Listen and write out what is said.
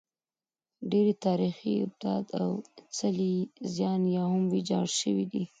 ډېری تاریخي ابدات او څلي یې زیان یا هم ویجاړ شوي دي